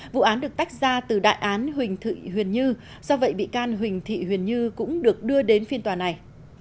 vụ án được tách ra từ đại án huỳnh như do vậy bị can huỳnh thị huyền như cũng được đưa đến phiên tòa này